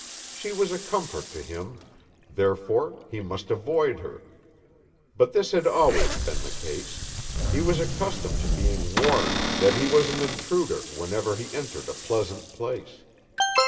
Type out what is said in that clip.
She was a comfort to him, therefore he must avoid her; but this had always been the case he was accustomed to being warned that he was an intruder whenever he entered a pleasant place.